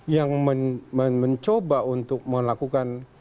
yang mencoba untuk melakukan